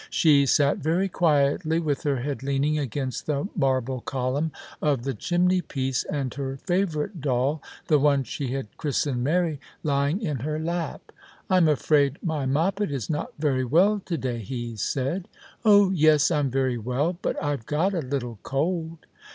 She sat very quietly, with her head leaning against the marble column of the chimney piece, and her favourite doll, the one she had christened Mary, lying in her lap. "I'm afraid my Moppet is not very well to day," he said. "Oh yes, I'm very well, but I've got a little cold.